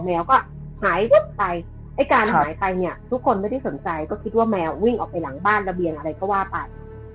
แมวก็หายไปไอ้การหายไปเนี่ยทุกคนไม่ได้สนใจก็คิดว่าแมววิ่งออกไปหลังบ้านระเบียงอะไรก็ว่าไป